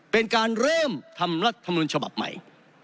เป็นการเริ่มทำรัฐมนุนฉบับใหม่